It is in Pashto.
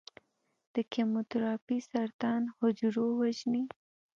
د کیموتراپي سرطان حجرو وژني.